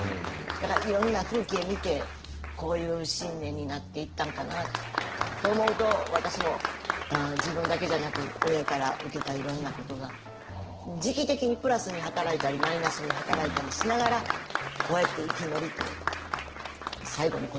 だからいろんな風景見てこういう信念になっていったんかなと思うと私も自分だけじゃなく親から受けたいろんなことが時期的にプラスに働いたりマイナスに働いたりしながらこうやって生き延びて最後に答えになっていくんやね。